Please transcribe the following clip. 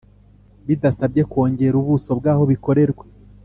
bidasabye kongera ubuso bw'aho bikorerwa,